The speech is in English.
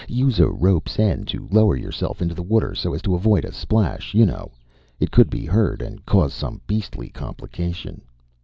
Use a rope's end to lower yourself into the water so as to avoid a splash you know. It could be heard and cause some beastly complication."